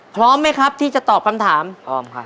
พร้อมไหมครับที่จะตอบคำถามพร้อมค่ะ